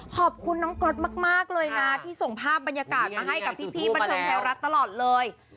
ขอบคุณน้องก๊อตมากเลยนะที่ส่งภาพบรรยากาศมาให้กับพี่บันเทิงไทยรัฐตลอดเลย